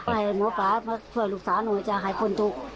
ให้หมอปลาช่วยลูกสาวหน่อยจ้ะหายควรทุกข์